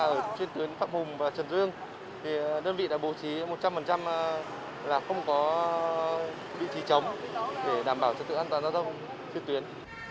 ở trên tuyến phạm hùng và trần dương thì đơn vị đã bố trí một trăm linh là không có vị trí chống để đảm bảo trật tự an toàn giao thông trên tuyến